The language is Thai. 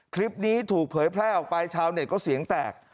คลิปนี้ถูกเผยแพร่ออกไปชาวเน็ตก็เสียงแตก